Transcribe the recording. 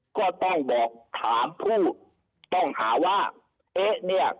ก็ต้องบอกถามผู้ต้องหาว่าเอ๊ะเนี่ย